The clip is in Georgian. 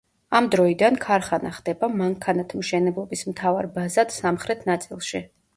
ამ დროიდან ქარხანა ხდება მანქანათმშენებლობის მთავარ ბაზად სამხრეთ ნაწილში.